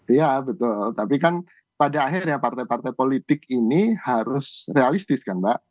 iya betul tapi kan pada akhirnya partai partai politik ini harus realistis kan mbak